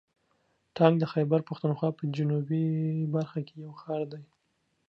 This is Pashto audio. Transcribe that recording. ټانک د خیبر پښتونخوا په جنوبي برخه کې یو ښار دی.